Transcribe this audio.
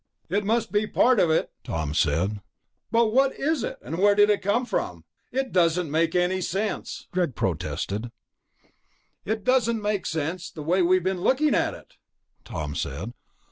"It must be part of it," Tom said. "But what is it? And where did it come from? It doesn't make sense," Greg protested. "It doesn't make sense the way we've been looking at it," Tom said.